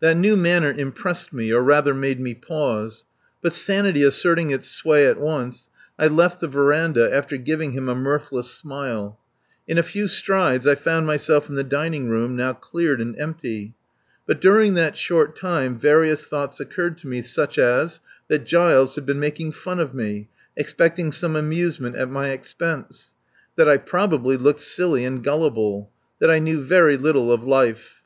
That new manner impressed me or rather made me pause. But sanity asserting its sway at once I left the verandah after giving him a mirthless smile. In a few strides I found myself in the dining room, now cleared and empty. But during that short time various thoughts occurred to me, such as: that Giles had been making fun of me, expecting some amusement at my expense; that I probably looked silly and gullible; that I knew very little of life.